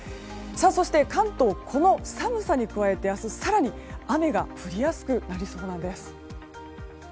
そして関東、この寒さに加えて明日更に雨が降りやすくなりそうです。